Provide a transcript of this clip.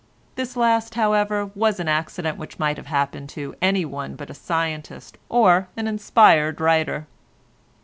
This last, however, was an accident which might have happened to any one but a scientist or an inspired writer.